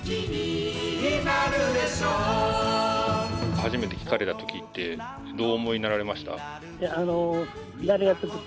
初めて聴かれたときって、どう思いになられました？